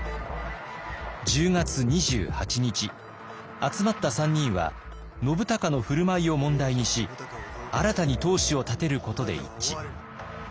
集まった３人は信孝の振る舞いを問題にし新たに当主を立てることで一致。